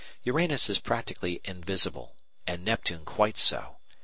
Uranus is practically invisible, and Neptune quite so.